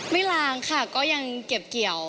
ล้างค่ะก็ยังเก็บเกี่ยว